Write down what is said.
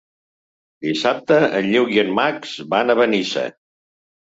Dissabte en Lluc i en Max van a Benissa.